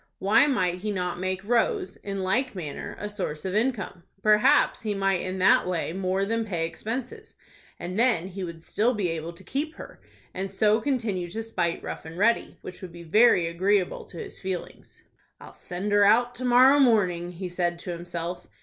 Why might he not make Rose, in like manner, a source of income? Perhaps he might in that way more than pay expenses, and then he would still be able to keep her, and so continue to spite Rough and Ready, which would be very agreeable to his feelings. "I'll send her out to morrow morning," he said to himself.